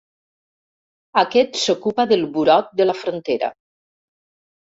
Aquest s'ocupa del burot de la frontera.